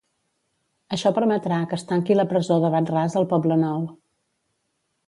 Això permetrà que es tanqui la presó de Wad-Ras, al Poblenou.